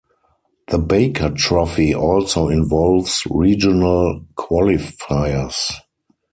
The Baker Trophy also involves regional qualifiers.